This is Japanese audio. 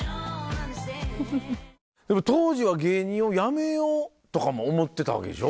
当時は芸人を辞めようとかも思ってたわけでしょ？